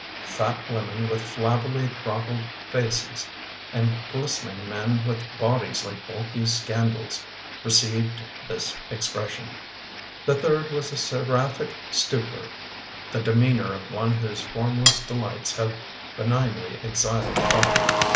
Fat women with flabbily throttled faces and glistening men with bodies like bulky scandals received this expression. The third was a seraphic stupor — the demeanour of one whose formless delights have benignly exiled thought.